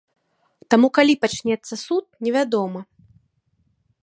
Таму калі пачнецца суд, невядома.